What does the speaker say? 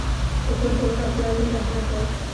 په کور کي مور او پلار لوی رحمت دی.